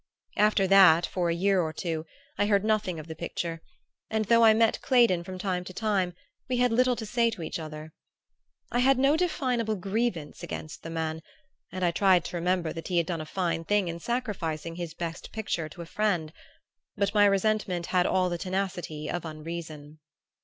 After that, for a year or two, I heard nothing more of the picture, and though I met Claydon from time to time we had little to say to each other. I had no definable grievance against the man and I tried to remember that he had done a fine thing in sacrificing his best picture to a friend; but my resentment had all the tenacity of unreason.